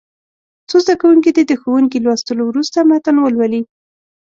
څو زده کوونکي دې د ښوونکي لوستلو وروسته متن ولولي.